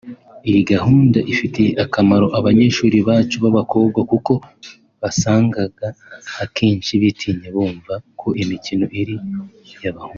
Iyi gahunda ifitiye akamaro abanyeshuli bacu b’abakobwa kuko wasangaga akenshi bitinya bumva ko imikino ari iy’abahungu